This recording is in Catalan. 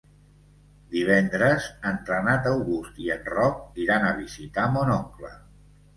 Divendres en Renat August i en Roc iran a visitar mon oncle.